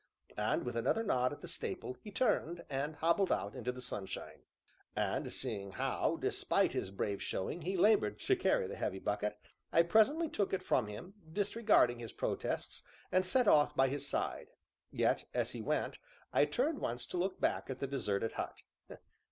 and, with another nod at the staple, he turned, and hobbled out into the sunshine. And seeing how, despite his brave showing, he labored to carry the heavy basket, I presently took it from him, disregarding his protests, and set off by his side; yet, as we went, I turned once to look back at the deserted hut.